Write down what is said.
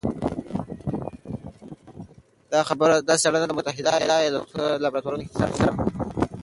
دا څېړنه د متحده ایالتونو په لابراتورونو کې ترسره شوه.